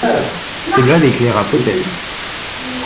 Cela l’éclaira peut-être.